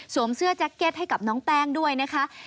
เสื้อแจ็คเก็ตให้กับน้องแป้งด้วยนะคะ